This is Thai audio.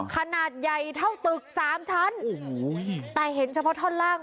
ขนาดใหญ่เท่าตึกสามชั้นโอ้โหแต่เห็นเฉพาะท่อนล่าง